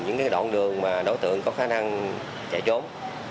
những đoạn đường mà đối tượng có khả năng chạy trốn